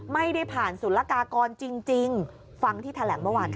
ไม่ได้ผ่านศูนย์ละกากรจริงฟังที่แถลงเมื่อวานค่ะ